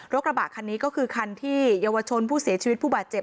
กระบะคันนี้ก็คือคันที่เยาวชนผู้เสียชีวิตผู้บาดเจ็บ